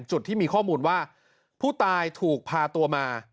จุดที่มีข้อมูลว่าผู้ตายถูกพาตัวมา